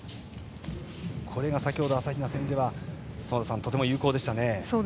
これが先ほど朝比奈戦では園田さん、とても有効でしたね。